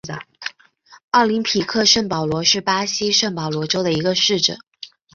奥林匹亚圣保罗是巴西圣保罗州的一个市镇。